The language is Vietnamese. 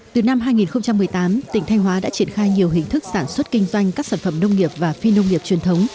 từ năm hai nghìn một mươi tám tỉnh thanh hóa đã triển khai nhiều hình thức sản xuất kinh doanh các sản phẩm nông nghiệp và phi nông nghiệp truyền thống